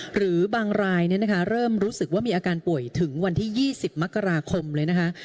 หรือบางรายเนี่ยนะคะเริ่มรู้สึกว่ามีอาการป่วยถึงวันที่ยี่สิบมกราคมเลยนะคะ